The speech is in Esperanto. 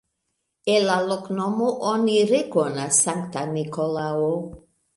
El la loknomo oni rekonas Sankta Nikolao.